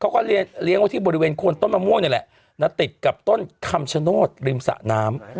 เขาก็เลี้ยงไว้ที่บริเวณโคนต้นมะม่วงนี่แหละนะติดกับต้นคำชโนธริมสะน้ำ